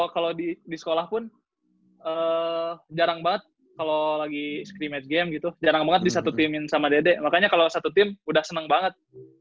kalau di sekolah pun jarang banget kalau lagi scrimate game gitu jarang banget disatu timin sama dede makanya kalau satu tim udah seneng banget